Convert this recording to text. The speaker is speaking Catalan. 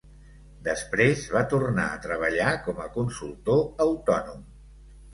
Després va tornar a treballar com a consultor autònom.